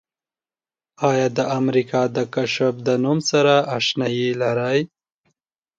آیا د امریکا د کشف د نوم سره آشنایي لرئ؟